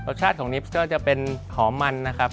รสชาติของนิฟสก็จะเป็นหอมมันนะครับ